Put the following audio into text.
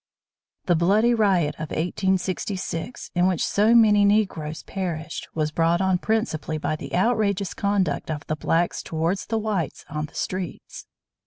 _ The bloody riot of 1866, in which so many Negroes perished, was brought on principally by the outrageous conduct of the blacks toward the whites on the streets.